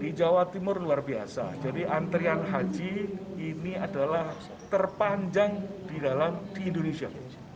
di jawa timur luar biasa jadi antrian haji ini adalah terpanjang di dalam di indonesia